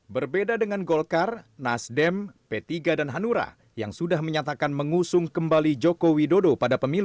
berbeda dengan golkar nasdem p tiga dan hanura yang sudah menyatakan mengusung kembali joko widodo pada pemilu dua ribu sembilan belas